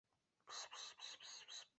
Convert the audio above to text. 其余的被征服土地则被交给定居者。